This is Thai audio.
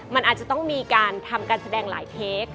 มันอาจจะต้องมีการทำการแสดงหลายเทค